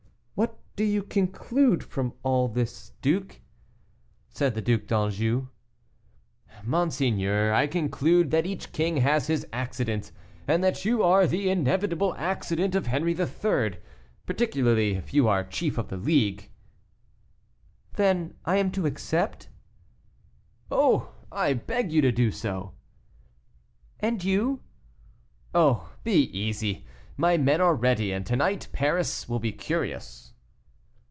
"What do you conclude from all this, duke?" said the Duc d'Anjou. "Monseigneur, I conclude that each king has his accident, and that you are the inevitable accident of Henri III., particularly if you are chief of the League." "Then I am to accept?" "Oh! I beg you to do so." "And you?" "Oh! be easy; my men are ready, and to night Paris will be curious."